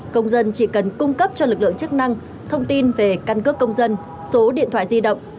công dân chỉ cần cung cấp cho lực lượng chức năng thông tin về căn cước công dân số điện thoại di động